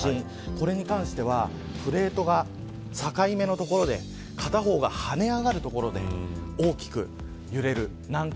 これに関してはプレートが境目の所で片方が跳ね上がる所で大きく揺れる南海